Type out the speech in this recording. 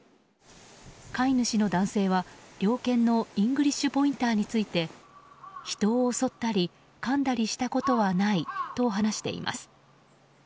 飼い主の男性は猟犬のイングリッシュ・ポインターについて人を襲ったりかんだりしたことはないと話しています。